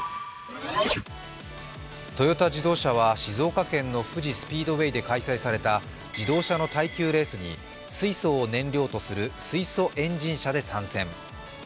トヨタ自動車は静岡県の富士スピードウェイで開催された自動車の耐久レースに水素を燃料とする水素エンジン車で参戦。